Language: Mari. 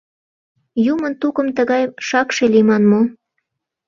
Юмын тукым тыгай шакше лийман мо?